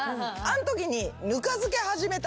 あんときに。